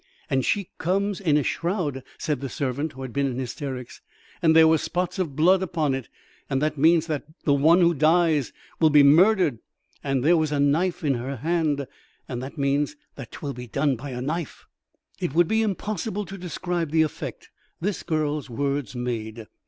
"And she's come in a shroud," said the servant who had been in hysterics, "and there was spots of blood upon it, and that means that the one who dies will be murdered; and there was a knife in her hand, and that means that 'twill be done by a knife." It would be impossible to describe the effect this girl's words made.